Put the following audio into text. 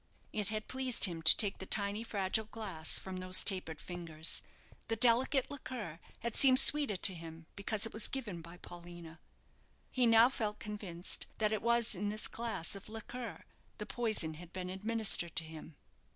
It had pleased him to take the tiny, fragile glass from those taper fingers. The delicate liqueur had seemed sweeter to him because it was given by Paulina. He now felt convinced that it was in this glass of liqueur the poison had been administered to him.